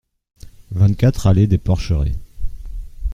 vingt-quatre allée des Porcherets